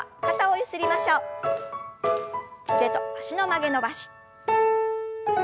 腕と脚の曲げ伸ばし。